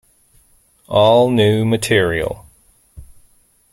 All new material.